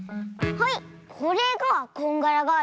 はい！